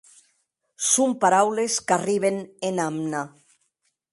Son paraules qu'arriben ena amna.